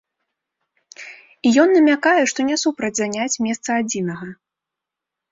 І ён намякае, што не супраць заняць месца адзінага.